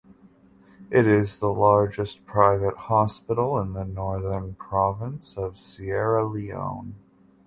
It is the largest private hospital in the Northern Province of Sierra Leone.